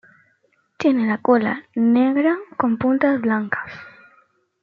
Tiene la cola negra con puntas blancas.